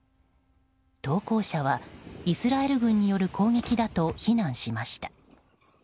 投稿者は、イスラエル軍による攻撃だと非難しました。